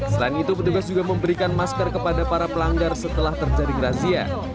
selain itu petugas juga memberikan masker kepada para pelanggar setelah terjadi razia